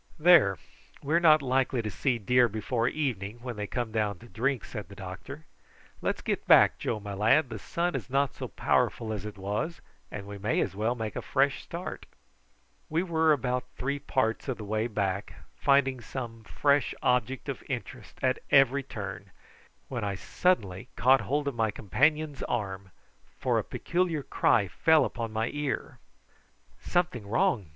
"There, we are not likely to see deer before evening when they come down to drink," said the doctor. "Let's get back, Joe, my lad, the sun is not so powerful as it was, and we may as well make a fresh start." We were about three parts of the way back, finding some fresh object of interest at every turn, when I suddenly caught hold of my companion's arm, for a peculiar cry fell upon my ear. "Something wrong!"